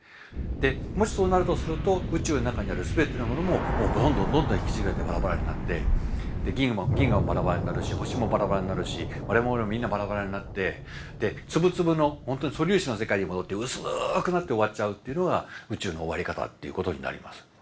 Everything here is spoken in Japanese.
もしそうなるとすると宇宙の中にある全てのものもどんどんどんどん引きちぎられてバラバラになって銀河もバラバラになるし星もバラバラになるし我々もみんなバラバラになって粒々の素粒子の世界に戻って薄くなって終わっちゃうっていうのが宇宙の終わり方っていうことになります。